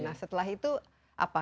nah setelah itu apa